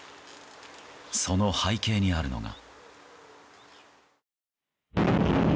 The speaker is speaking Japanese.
その背景にあるのが。